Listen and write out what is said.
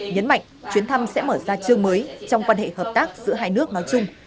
nhấn mạnh chuyến thăm sẽ mở ra chương mới trong quan hệ hợp tác giữa hai nước nói chung